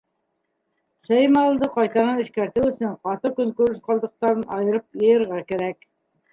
Сеймалды ҡайтанан эшкәртеү өсөн ҡаты көнкүреш ҡалдыҡтарын айырып йыйырға кәрәк.